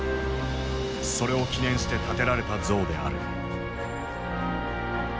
それを記念して建てられた像である。